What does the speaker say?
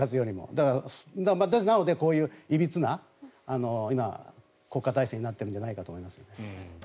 だからこういういびつな今、国家体制になっているんじゃないかと思います。